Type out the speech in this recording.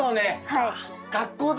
はい。